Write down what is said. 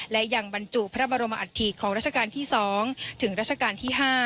และยังบรรจุพระบรมอัฐิของราชการที่๒ถึงราชการที่๕